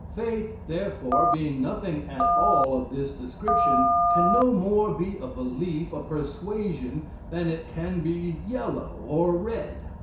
Faith, therefore, being nothing at all of this description, can no more be a belief, a persuasion, than it can be yellow or red.